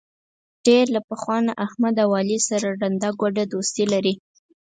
ډېر له پخوا نه احمد او علي سره ړنده ګوډه دوستي لري.